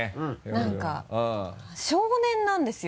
なんか少年なんですよ。